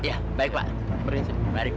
iya baik pak